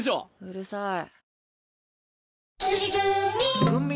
うるさい。